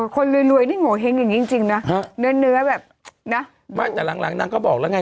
คนรวยนี่โงเห้งอย่างนี้จริงนะเนื้อแบบนะไม่แต่หลังหลังนางก็บอกแล้วไง